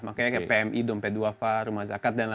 makanya kayak pmi dompeduafa rumah zakat dan lain lain